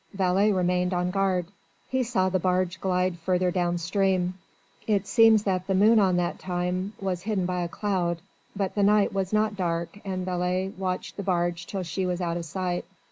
Vailly remained on guard. He saw the barge glide further down stream. It seems that the moon at that time was hidden by a cloud. But the night was not dark and Vailly watched the barge till she was out of sight.